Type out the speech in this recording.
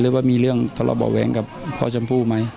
ว่ามีเรื่องทะเลาะเบาะแว้งกับพ่อชมพู่ไหม